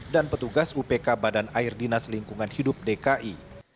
dan petugas upk badan air dinas lingkungan hidup dki